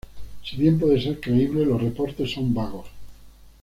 Si bien puede ser creíble, los reportes son vagos.